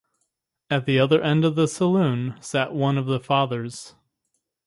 At the other end of the saloon sat one of the fathers.